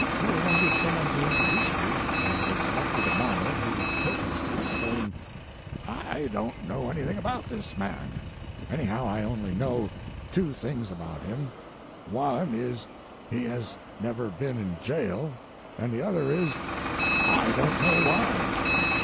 They wanted some one to introduce me, and they selected a miner, who protested, saying: "I don't know anything about this man. Anyhow, I only know two things about him. One is, he has never been in jail, and the other is, I don't know why."